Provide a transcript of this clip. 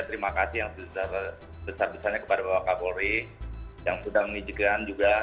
terima kasih yang sebesar besarnya kepada bapak kapolri yang sudah menunjukkan juga